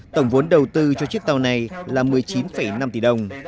tổng vốn đầu tư cho chiếc tàu này là một mươi chín năm tỷ đồng